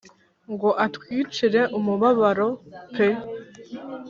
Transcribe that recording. Ngo atwicire umumaro pe !